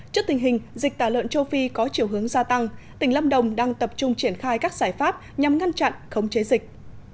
trước tình hình dịch tả lợn châu phi có chiều hướng gia tăng tỉnh lâm đồng đang tập trung triển khai các giải pháp nhằm ngăn chặn khống chế dịch